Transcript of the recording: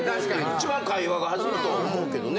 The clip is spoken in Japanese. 一番会話が弾むと思うけどね。